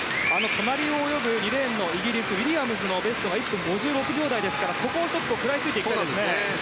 隣を泳ぐ２レーンのイギリス、ウィリアムズのベストが１分５６秒台ですから食らいついていきたいですね。